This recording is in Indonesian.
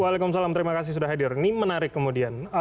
waalaikumsalam terima kasih sudah hadir ini menarik kemudian